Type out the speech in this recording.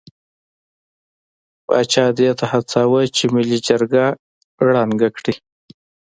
پاچا دې ته هڅاوه چې ملي جرګه ړنګه کړي.